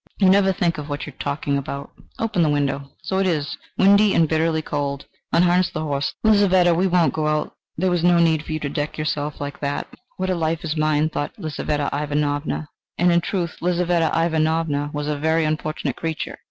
"You never think of what you are talking about. Open the window. So it is: windy and bitterly cold. Unharness the horses. Lizaveta, we won't go out there was no need for you to deck yourself like that." "What a life is mine!" thought Lizaveta Ivanovna. And, in truth, Lizaveta Ivanovna was a very unfortunate creature.